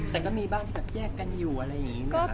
แต่ก็มีบ้างแยกกันอยู่อะไรยังไง